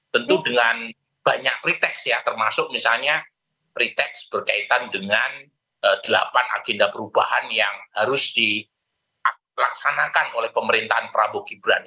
tentu dengan banyak preteks ya termasuk misalnya preteks berkaitan dengan delapan agenda perubahan yang harus dilaksanakan oleh pemerintahan prabowo gibran